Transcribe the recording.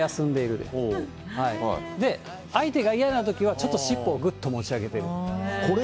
で、相手が嫌なときは、ちょっとしっぽをぐっと持ち上げてる。